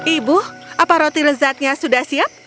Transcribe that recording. ibu apa roti lezatnya sudah siap